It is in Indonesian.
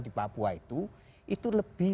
di papua itu itu lebih